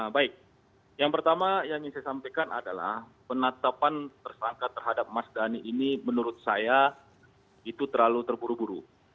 baik yang pertama yang ingin saya sampaikan adalah penetapan tersangka terhadap mas dhani ini menurut saya itu terlalu terburu buru